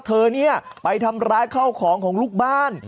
เธอเนี่ยไปทำร้ายเข้าของของลูกบ้าน